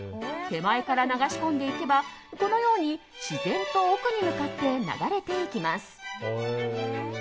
手前から流し込んでいけばこのように自然と奥に向かって流れていきます。